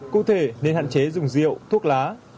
cụ thể nên hạn chế dùng rượu thuốc lá